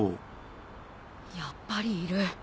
やっぱりいる。